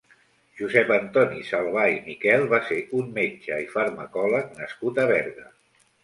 Josep Antoni Salvà i Miquel va ser un metge i farmacòleg nascut a Berga.